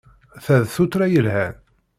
Ta d tuttra yelhan.